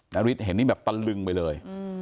นาริสเห็นนี่แบบตะลึงไปเลย